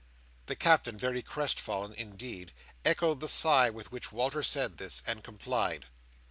The Captain, very crest fallen indeed, echoed the sigh with which Walter said this, and complied.